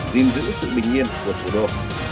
giữ sự bình yên của thủ đô